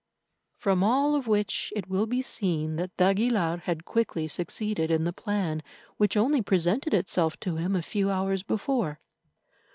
From all of which it will be seen that d'Aguilar had quickly succeeded in the plan which only presented itself to him a few hours before.